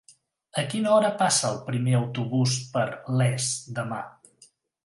A quina hora passa el primer autobús per Les demà?